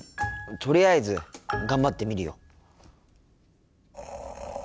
とりあえず頑張ってみるよ。